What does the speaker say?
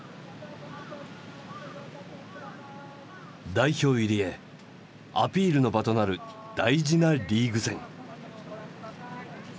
代表入りへアピールの場となる大事なリーグ戦。